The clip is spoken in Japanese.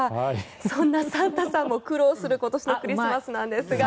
そんなサンタさんも苦労する今年のクリスマスなんですが。